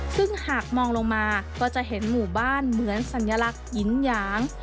ซึ่งหากมองลงมาก็จะเห็นหมู่บ้านเหมือนสัญลักษณ์หญิงหยาง